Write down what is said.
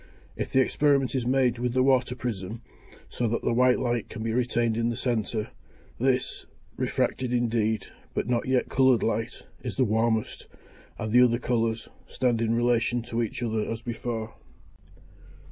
If the experiment is made with the water prism, so that the white light can be retained in the centre, this, refracted indeed, but not yet coloured light, is the warmest; the other colours, stand in relation to each other as before.